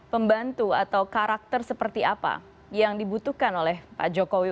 pembantu atau karakter seperti apa yang dibutuhkan oleh pak jokowi